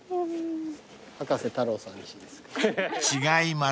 葉加瀬太郎さんちです。